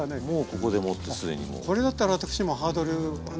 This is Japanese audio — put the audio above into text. これだったら私もハードルはね